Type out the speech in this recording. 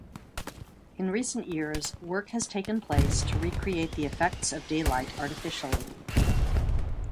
In recent years, work has taken place to recreate the effects of daylight artificially.